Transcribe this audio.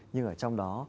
nhưng ở trong đó